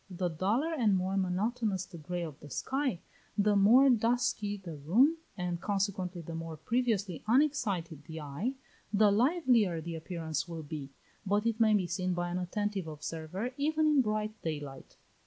The duller and more monotonous the grey of the sky, the more dusky the room, and, consequently, the more previously unexcited the eye, the livelier the appearance will be; but it may be seen by an attentive observer even in bright daylight.